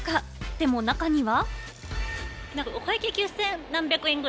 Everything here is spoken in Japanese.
でも中には。